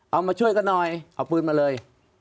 มาช่วยกันหน่อยเอาปืนมาเลย